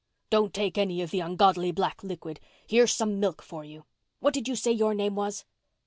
Don't take any of the ungodly black liquid—here's some milk for you. What did you say your name was?"